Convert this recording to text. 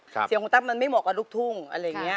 เสียงของตั๊บมันไม่เหมาะกับลูกทุ่งอะไรอย่างนี้